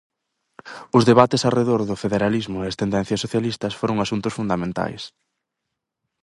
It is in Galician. Os debates arredor do federalismo e as tendencias socialistas foron asuntos fundamentais.